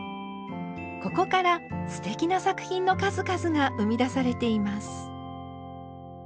ここからすてきな作品の数々が生み出されています。